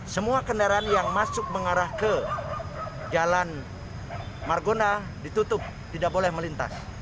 semua kendaraan yang masuk mengarah ke jalan margonda ditutup tidak boleh melintas